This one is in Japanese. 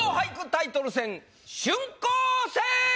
タイトル戦春光戦！